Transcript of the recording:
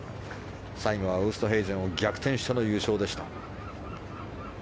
最後はウーストヘイゼンを逆転しての優勝でした。